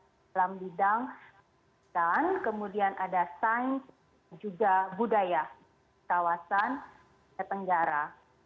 di dalam bidang pendidikan kemudian ada sains juga budaya kawasan tenggara